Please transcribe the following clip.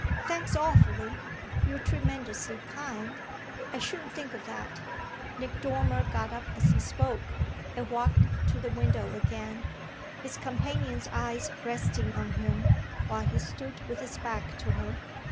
"Thanks awfully; you're tremendously kind. I shouldn't think of that." Nick Dormer got up as he spoke, and walked to the window again, his companion's eyes resting on him while he stood with his back to her.